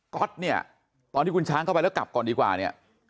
๊อตเนี่ยตอนที่คุณช้างเข้าไปแล้วกลับก่อนดีกว่าเนี่ย